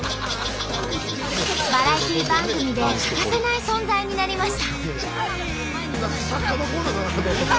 バラエティー番組で欠かせない存在になりました。